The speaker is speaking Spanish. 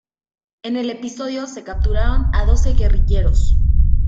En el episodio se capturaron a doce guerrilleros.